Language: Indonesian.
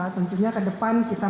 tentunya ke depan kita